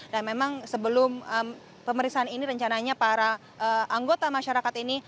dan memang sebelum pemeriksaan ini rencananya para anggota masyarakat ini